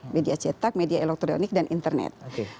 media cetak media elektronik dan internet